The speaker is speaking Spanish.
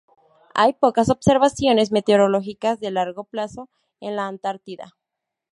Hay pocas observaciones meteorológicas, de largo plazo, en la Antártida.